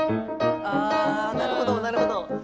なるほどなるほど。